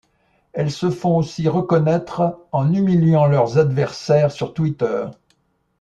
Elles se font aussi reconnaître en humiliant leurs adversaires sur Twitter.